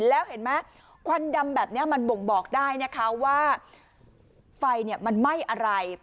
แล้วเห็นไหมควันดำแบบนี้มันบ่งบอกได้นะคะว่าไฟมันไหม้อะไร